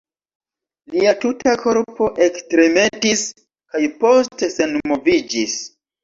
Lia tuta korpo ektremetis kaj poste senmoviĝis.